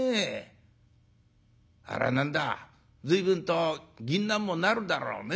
あれは何だ随分と銀杏もなるだろうね。